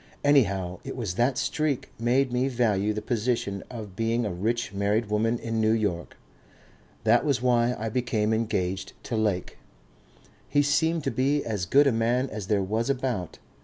Anyhow it was that streak made me value the position of being a rich married woman in New York. That was why I became engaged to Lake. He seemed to be as good a man as there was about.